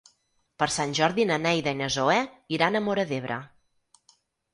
Per Sant Jordi na Neida i na Zoè iran a Móra d'Ebre.